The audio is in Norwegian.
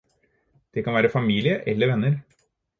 Det kan være familie eller venner.